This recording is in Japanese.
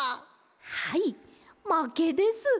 はいまけです。